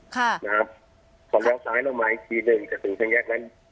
ค่ะนะครับถ้าเลี้ยวซ้ายลงมาอีกทีเดินจะถึงทางแยกนั้น